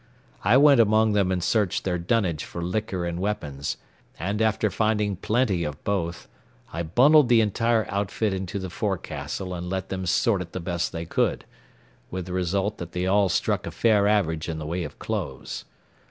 I went among them and searched their dunnage for liquor and weapons, and after finding plenty of both, I bundled the entire outfit into the forecastle and let them sort it the best they could, with the result that they all struck a fair average in the way of clothes.